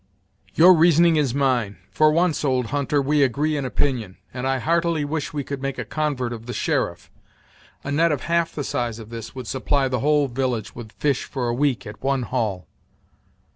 "Your reasoning is mine; for once, old hunter, we agree in opinion; and I heartily wish we could make a convert of the sheriff. A net of half the size of this would supply the whole village with fish for a week at one haul."